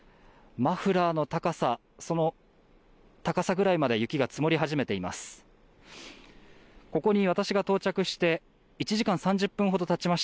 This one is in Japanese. マフラーの高さ、その高さぐらいまで雪が積もり始めています。